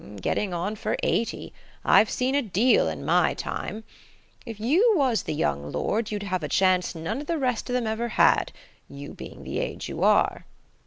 "Getting on for eighty. I've seen a deal in my time. If you was the young lord you'd have a chance none of the rest of them ever had–you being the age you are."